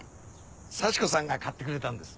幸子さんが買ってくれたんです。